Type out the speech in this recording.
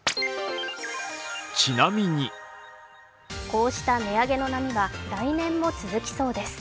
こうした値上げの波は来年も続きそうです。